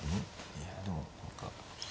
いやでも何か。